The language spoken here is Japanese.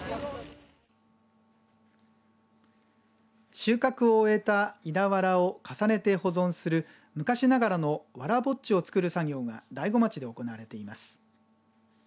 収穫を終えた稲わらを重ねて保存する昔ながらの、わらぼっちを作る作業が大子町で行われています。